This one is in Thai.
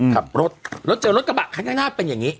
ขับรถแล้วเจอรถกระบะข้างหน้าเป็นอย่างนี้